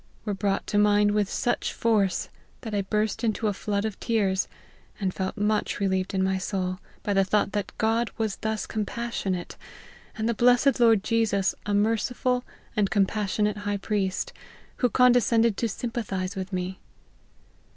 were brought to my mind with such force, that I burst into a flood of tears, and felt much re lieved in my soul, by the thought that God was thus compassionate, and the blessed Lord Jesus a merciful and compassionate High Priest, who con descended to sympathize with me.